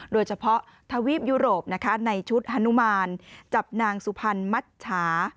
โดยเฉพาะทวีปยุโรปในชุดฮานุมานจับนางสุพรรณมัชชา